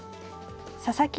佐々木